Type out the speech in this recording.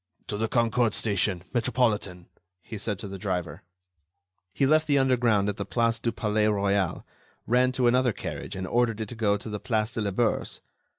"To the Concorde station, Metropolitan," he said to the driver. He left the underground at the Place du Palais Royal, ran to another carriage and ordered it to go to the Place de la Bourse.